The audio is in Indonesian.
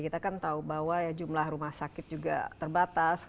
kita kan tahu bahwa jumlah rumah sakit juga terbatas